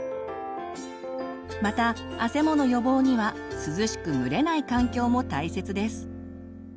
またあせもの予防には涼しく蒸れない環境も大切です。